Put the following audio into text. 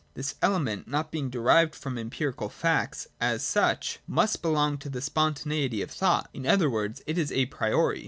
This element, not being derived from the empirical facts as such, must belong to the spontaneity of thought ; in other words, it is a priori.